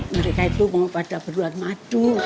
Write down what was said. mereka itu mau pada berluan madu